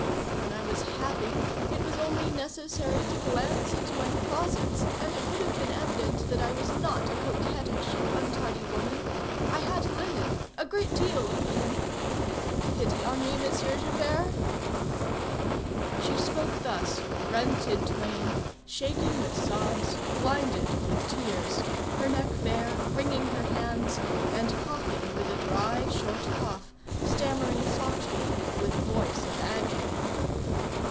When I was happy, it was only necessary to glance into my closets, and it would have been evident that I was not a coquettish and untidy woman. I had linen, a great deal of linen. Have pity on me, Monsieur Javert!" She spoke thus, rent in twain, shaken with sobs, blinded with tears, her neck bare, wringing her hands, and coughing with a dry, short cough, stammering softly with a voice of agony.